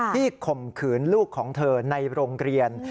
ข่มขืนลูกของเธอในโรงเรียน